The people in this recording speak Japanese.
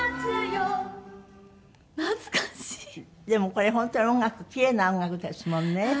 でもこれ本当に音楽キレイな音楽ですもんね。